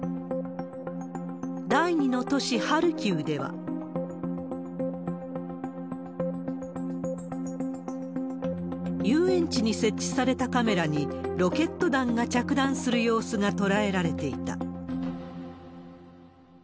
第２の都市、ハルキウでは、遊園地に設置されたカメラに、ロケット弾が着弾する様子が捉えられていた。